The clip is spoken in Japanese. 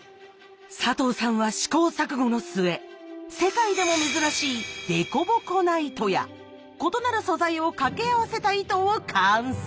佐藤さんは試行錯誤の末世界でも珍しいでこぼこな糸や異なる素材をかけ合わせた糸を完成。